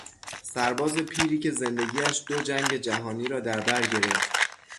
سرباز پیری که زندگیش دو جنگ جهانی را دربر گرفت